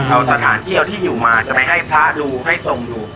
เอาสถานที่เอาที่อยู่มาจะไปให้พระดูให้ทรงดู